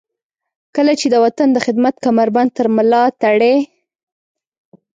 کله چې د وطن د خدمت کمربند تر ملاتړئ.